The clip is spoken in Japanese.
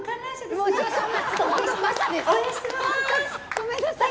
ごめんなさい！